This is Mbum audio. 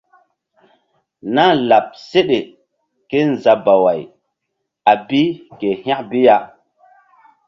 Nah láɓ seɗe kézabaway a bi ke hȩk bi ya.